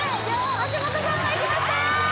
橋本君がいきましたよ